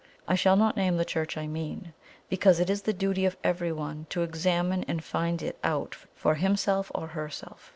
I shall not name the Church I mean, because it is the duty of everyone to examine and find it out for himself or herself.